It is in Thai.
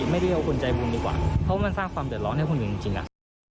เรียกว่าคนใจบุญดีกว่าเพราะมันสร้างความเดือดร้อนให้คุณอยู่จริงอะ